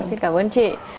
xin cảm ơn chị